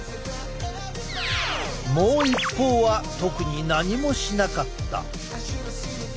もう一方は特に何もしなかった。